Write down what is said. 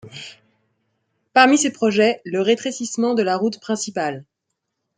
Parmi ces projets, le rétrécissement de la route principale.